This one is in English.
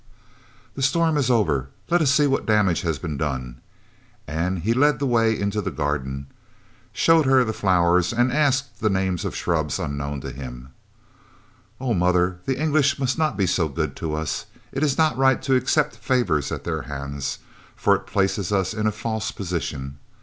"The storm is over; let us see what damage has been done," and he led the way into the garden, showed her the flowers, asked the names of shrubs unknown to him. "Oh, mother, the English must not be so good to us! It is not right to accept favours at their hands, for it places us in a false position.